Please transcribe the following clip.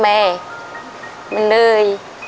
มันเหนื่อย